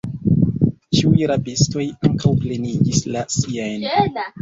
Ĉiuj rabistoj ankaŭ plenigis la siajn.